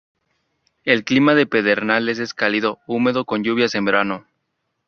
El clima de pedernales es cálido húmedo, con lluvias en Verano.